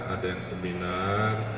ada yang seminar